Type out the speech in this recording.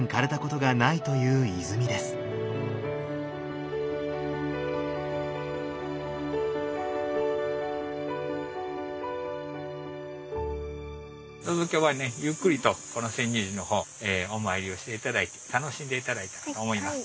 どうぞ今日はねゆっくりとこの泉涌寺の方お参りをして頂いて楽しんで頂いたらと思います。